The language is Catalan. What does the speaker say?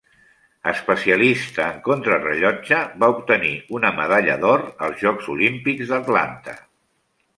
Especialista en contrarellotge, va obtenir una medalla d'or als Jocs Olímpics d'Atlanta.